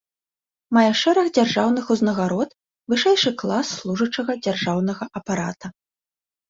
Мае шэраг дзяржаўных узнагарод, вышэйшы клас служачага дзяржаўнага апарата.